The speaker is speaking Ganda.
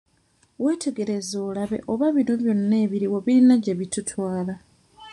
Weetegereze olabe oba bino byonna ebiriwo birina gye bitutwala.